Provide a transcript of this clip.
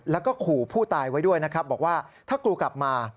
แล้วก็ขู่ผู้ตายไว้ด้วยบอกว่าถ้ากลับมา